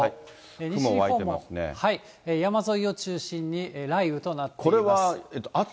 西日本も山沿いを中心に雷雨となっています。